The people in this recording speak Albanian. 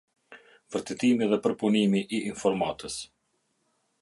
Vërtetimi dhe përpunimi i informatës.